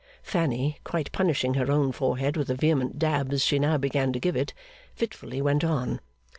Fanny, quite punishing her own forehead with the vehement dabs she now began to give it, fitfully went on.